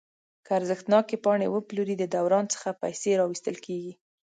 که ارزښتناکې پاڼې وپلوري د دوران څخه پیسې راویستل کیږي.